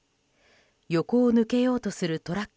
横を抜けようとするトラック